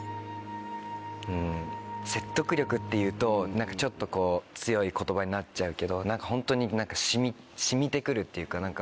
うん説得力って言うとちょっと強い言葉になっちゃうけどホントに染みて来るっていうか。